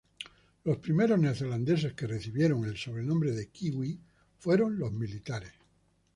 Los primeros neozelandeses que recibieron el sobrenombre de "kiwi" fueron los militares.